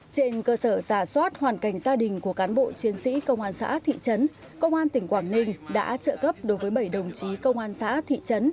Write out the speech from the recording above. trên cơ sở giả soát hoàn cảnh gia đình của cán bộ chiến sĩ công an xã thị trấn công an tỉnh quảng ninh đã trợ cấp đối với bảy đồng chí công an xã thị trấn